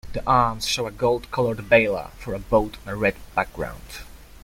The arms show a gold-colored bailer for a boat on a red background.